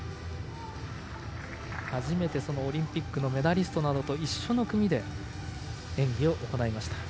初めてオリンピックのメダリストなどと一緒の組で演技を行いました。